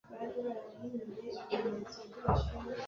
Jacek Jędruszak